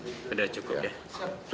sudah cukup ya